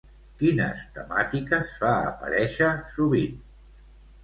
Quines temàtiques fa aparèixer sovint?